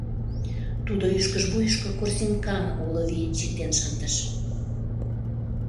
Тудо ӱшкыж вуйышко корзинкам уло вийын чиктен шындыш.